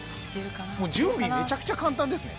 もう準備めちゃくちゃ簡単ですね